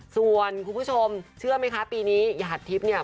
ส่วนคุณผู้ชมเชื่อไหมคะปีนี้หยาดทิพย์เนี่ย